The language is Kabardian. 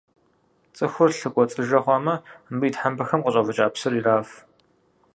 Цӏыхур лъы кӏуэцӏыжэ хъуамэ, мыбы и тхьэмпэхэм къыщӏэвыкӏа псыр ираф.